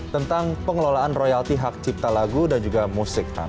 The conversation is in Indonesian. tentang pengelolaan royalti hak cipta lagu dan juga musik